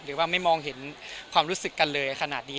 หรือว่าไม่มองเห็นความรู้สึกกันเลยขนาดนี้